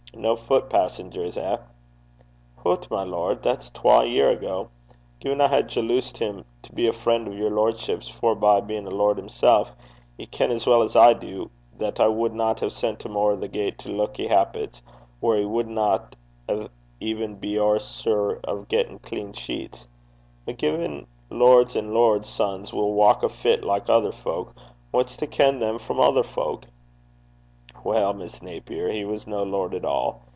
No foot passengers eh?' 'Hoot, my lord! that's twa year ago. Gin I had jaloosed him to be a fren' o' yer lordship's, forby bein' a lord himsel', ye ken as weel 's I du that I wadna hae sent him ower the gait to Luckie Happit's, whaur he wadna even be ower sure o' gettin' clean sheets. But gin lords an' lords' sons will walk afit like ither fowk, wha's to ken them frae ither fowk?' 'Well, Miss Naper, he was no lord at all.